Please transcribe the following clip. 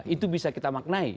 itu bisa kita maknai